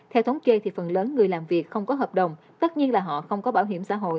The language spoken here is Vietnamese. theo thống kê thì phần lớn người làm việc không có hợp đồng tất nhiên là họ không có bảo hiểm xã hội